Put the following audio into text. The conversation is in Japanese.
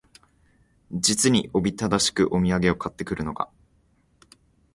実におびただしくお土産を買って来るのが、